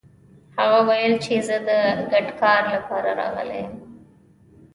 هغه ويل چې زه د ګډ کار لپاره راغلی يم.